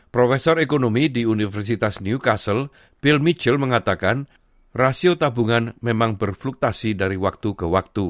profesor ekonomi di universitas newcastle pil michelle mengatakan rasio tabungan memang berfluktasi dari waktu ke waktu